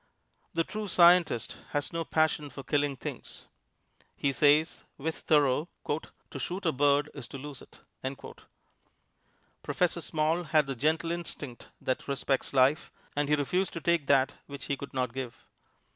The true scientist has no passion for killing things. He says with Thoreau, "To shoot a bird is to lose it." Professor Small had the gentle instinct that respects life, and he refused to take that which he could not give.